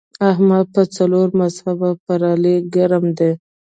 احمد په څلور مذهبه پر علي ګرم دی.